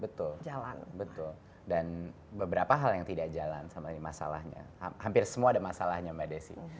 betul jalan betul dan beberapa hal yang tidak jalan sama ini masalahnya hampir semua ada masalahnya mbak desi